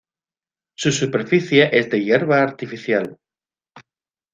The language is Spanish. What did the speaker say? Su superficie es de hierba artificial.